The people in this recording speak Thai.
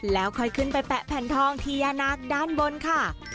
แล้วค่อยขึ้นไปแปะแผ่นทองเทียนักด้านบนค่ะ